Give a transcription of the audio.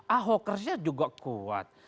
ahokersnya juga kuat